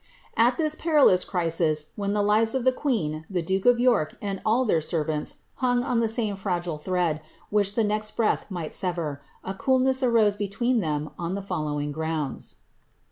^'* At this perilous crisis, when the lives of the queen, the duke of York, and all their servants, hung on the same fragile thread, which the next breath might sever, i coolness arose between them on the following grounds.